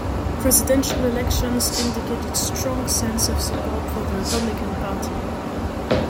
Presidential elections indicate a strong sense of support for the Republican party.